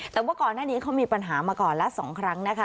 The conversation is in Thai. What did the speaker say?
แต่ว่าก่อนหน้านี้เขามีปัญหามาก่อนละ๒ครั้งนะคะ